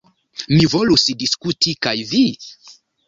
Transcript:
Mi volus diskuti kaj vi.